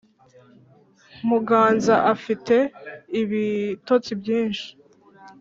muganza afite ibitotsi byinshi